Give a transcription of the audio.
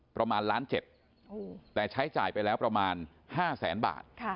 ประมาณล้าน๗แต่ใช้จ่ายไปแล้วประมาณ๕แสนบาท